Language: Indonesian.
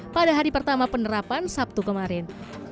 pada hari pertama penerapan sabtu kemarin